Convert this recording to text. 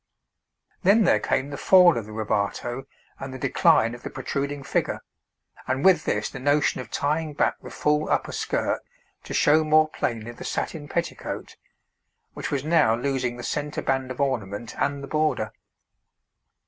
Then there came the fall of the rebatoe and the decline of the protruding figure, and with this the notion of tying back the full upper skirt to show more plainly the satin petticoat, which was now losing the centre band of ornament and the border.